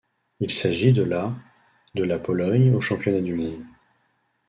Il s'agit de la de la Pologne aux Championnats du monde.